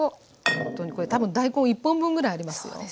これ多分大根１本分ぐらいありますよ。